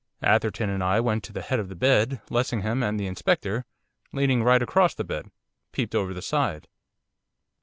Atherton and I went to the head of the bed, Lessingham and the Inspector, leaning right across the bed, peeped over the side.